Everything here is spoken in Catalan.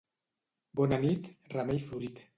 Bona nit, ramell florit.